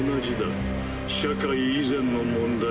社会以前の問題。